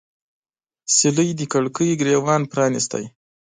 سیلۍ د کړکۍ ګریوان پرانیست